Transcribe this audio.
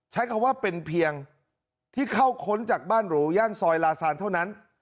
ใช้คำว่าเป็นเพียงที่เข้าค้นจากบ้านหรูย่านซอยลาซานเท่านั้น